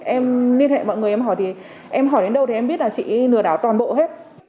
em liên hệ mọi người em hỏi đến đâu thì em biết là chị lừa đảo toàn bộ hết